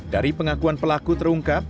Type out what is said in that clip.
dari pengakuan pelaku terungkap